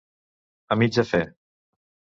A mitja fe.